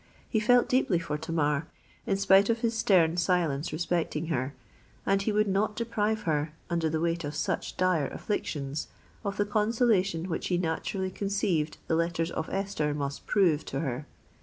He felt deeply for Tamar, in spite of his stern silence respecting her; and he would not deprive her, under the weight of such dire afflictions, of the consolation which he naturally conceived the letters of Esther must prove to her.